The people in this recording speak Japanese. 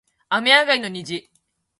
雨上がりの虹